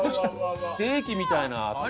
ステーキみたいな厚み。